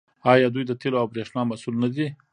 آیا دوی د تیلو او بریښنا مسوول نه دي؟